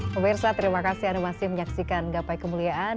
pemirsa terima kasih anda masih menyaksikan gapai kemuliaan